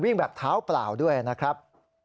วิ่งแบบเท้าเปล่าด้วยนะครับ